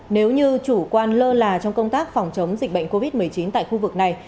nếu như chủ quan lơ là trong công tác phòng chống dịch bệnh covid một mươi chín tại khu vực này